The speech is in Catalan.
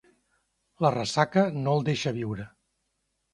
La ressaca no el deixa viure.